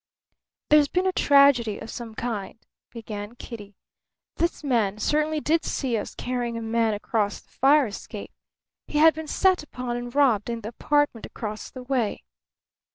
"There's been a tragedy of some kind," began Kitty. "This man certainly did see us carrying a man across the fire escape. He had been set upon and robbed in the apartment across the way."